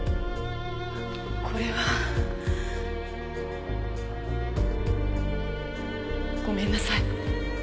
これは。ごめんなさい。